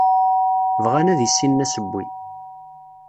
Bɣan ad issinen asewwi.